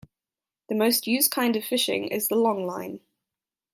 The most used kind of fishing is the longline.